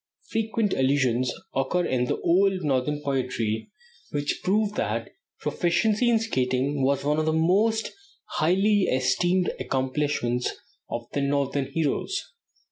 Frequent allusions occur in the old Northern poetry, which prove that proficiency in skating was one of the most highly esteemed accomplishments of the Northern heroes.